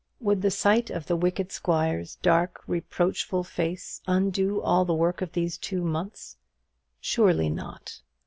Would the sight of the wicked squire's dark reproachful face undo all the work of these two months? Surely not.